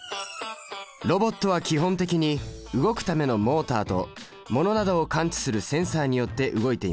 ロボットは基本的に動くためのモータと物などを感知するセンサによって動いています。